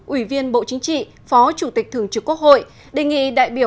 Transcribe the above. ủy viên bộ chính trị phó chủ tịch thường trực quốc hội đề nghị đại biểu